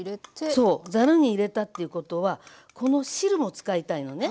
そうざるに入れたっていうことはこの汁も使いたいのね。